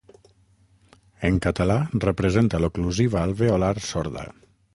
En català representa l'oclusiva alveolar sorda.